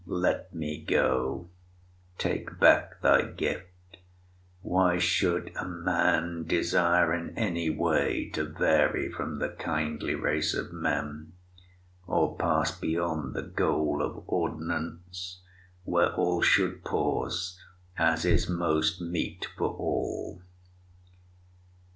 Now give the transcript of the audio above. Let me go: take back thy gift: Why should a man desire in any way To vary from the kindly race of men, Or pass beyond the goal of ordinance Where all should pause, as is most meet for all?